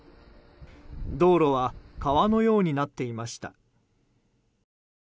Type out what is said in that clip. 道路は川のようになっていました。